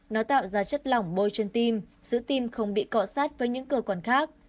nó tạo ra chất lỏng môi trên tim giữ tim không bị cọ sát với những cơ quan khác